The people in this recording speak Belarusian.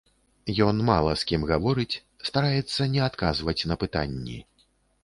Ён мала з кім гаворыць, стараецца не адказваць на пытанні.